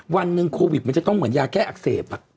วันหนึ่งโควิดมันจะต้องเหมือนยาแก้อักเสบ